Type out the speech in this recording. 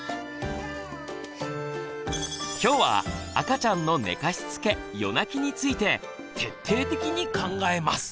今日は赤ちゃんの「寝かしつけ」「夜泣き」について徹底的に考えます。